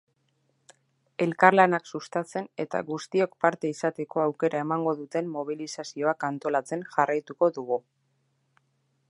Elkarlanak sustatzen eta guztiok parte izateko aukera emango duten mobilizazioak antolatzen jarraituko dugu.